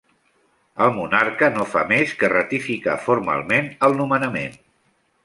El monarca no fa més que ratificar formalment el nomenament.